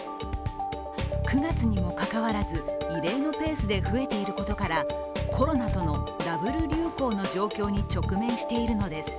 ９月にもかかわらず異例のペースで増えていることからコロナとのダブル流行の状況に直面しているのです。